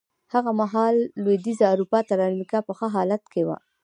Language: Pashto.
هغه مهال لوېدیځه اروپا تر امریکا په ښه حالت کې وه.